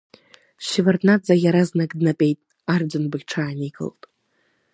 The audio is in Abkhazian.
Шьеварднаӡе иаразнак днатәеит, Арӡынба иҽааникылт.